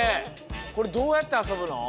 これどうやってあそぶの？